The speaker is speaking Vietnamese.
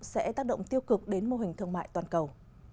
sẽ tác động tiêu cực đến mô hình thương mại toàn cầu